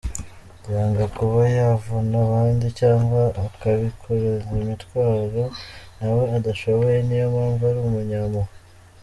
Yanga kuba yavuna abandi cyangwa akabikoreza imitwaro nawe adashoboye, niyo mpamvu ari umunyampuhwe.